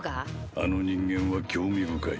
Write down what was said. あの人間は興味深い。